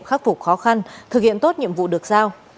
khắc phục khó khăn thực hiện tốt nhiệm vụ được giao